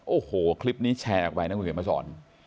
โอ้โหคลิปนี้แชร์ออกไปนะคุณเขียนมาสอน